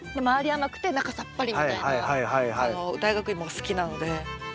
甘くて中さっぱりみたいな大学芋が好きなので。